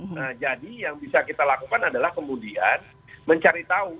nah jadi yang bisa kita lakukan adalah kemudian mencari tahu